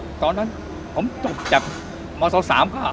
ตอนนั้นผมจบจากมศ๓ก็